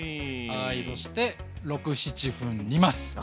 はいそして６７分煮ます。